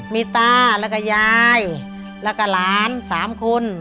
มีตาแล้วก็ยายแล้วก็หลาน๓คน